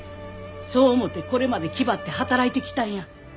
そう思てこれまで気張って働いてきたんや。